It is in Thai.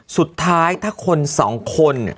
สุดท้ายถ้าคนสองคน